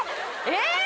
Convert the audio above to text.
えっ！